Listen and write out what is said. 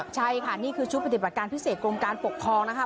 ใช่ค่ะนี่คือชุดปฏิบัติการพิเศษกรมการปกครองนะคะ